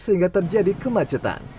sehingga terjadi kemacetan